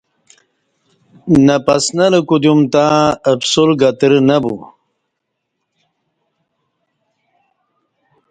نہ پسنلہ کدیوم تں اپسول گترہ نہ بو